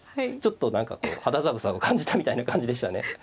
ちょっと肌寒さを感じたみたいな感じでしたね。